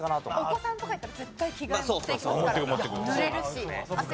お子さんとかいたら絶対着替え持っていきますから。